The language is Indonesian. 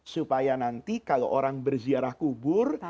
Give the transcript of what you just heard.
supaya nanti kalau orang berziarah kubur